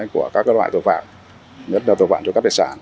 của các loại tội phạm nhất là tội phạm cho các đại sản